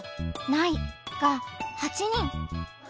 「ない」が８人。